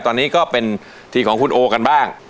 ตอนนี้ก็เป็นทีของคุณโอกันบ้าง